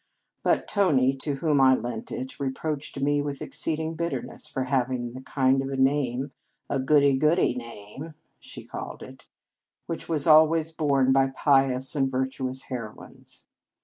But Tony, to whom I lent it, reproached me with exceeding bitterness for hav ing the kind of a name a goody goody name she called it which was always borne by pious and virtu ous heroines.